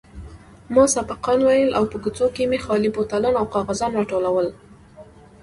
ما سبقان ويل او په کوڅو کښې مې خالي بوتلان او کاغذان راټولول.